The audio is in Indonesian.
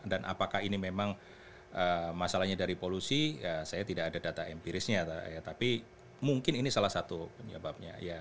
dan apakah ini memang masalahnya dari polusi ya saya tidak ada data empirisnya ya tapi mungkin ini salah satu penyebabnya ya